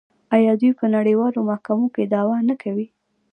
آیا دوی په نړیوالو محکمو کې دعوا نه کوي؟